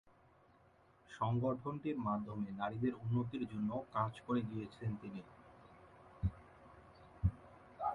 সংগঠনটির মাধ্যমে নারীদের উন্নতির জন্য কাজ করে গিয়েছেন তিনি।